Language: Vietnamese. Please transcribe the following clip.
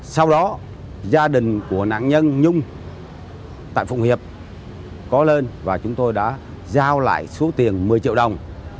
sau đó gia đình của nạn nhân nhung tại phụng hiệp có lên và chúng tôi đã giao lại số tiền một mươi triệu đồng